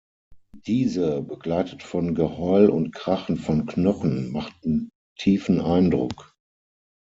Diese, begleitet von Geheul und Krachen von Knochen, machten tiefen Eindruck.